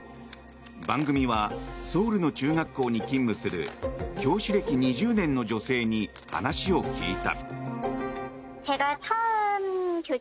番組はソウルの中学校に勤務する教師歴２０年の女性に話を聞いた。